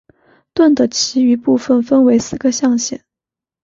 盾的其余部分分为四个象限。